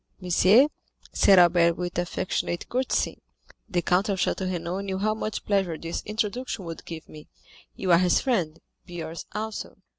"Monsieur," said Albert with affectionate courtesy, "the count of Château Renaud knew how much pleasure this introduction would give me; you are his friend, be ours also."